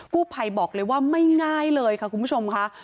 ภัยบอกเลยว่าไม่ง่ายเลยค่ะคุณผู้ชมค่ะ